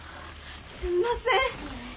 すんません。